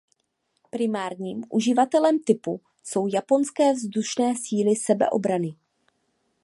Primárním uživatelem typu jsou Japonské vzdušné síly sebeobrany.